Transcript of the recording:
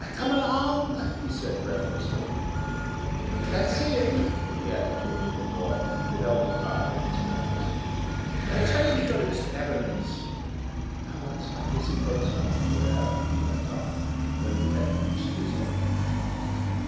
"Come along," he said, breathlessly. "Can't see him," he added to a little boy, who held a card in his hands. "Tell him to go to Mr. Evans. One's life isn't one's own here," he went on, when he had reached his own room.